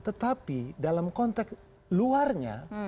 tetapi dalam konteks luarnya